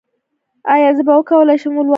ایا زه به وکولی شم ولولم؟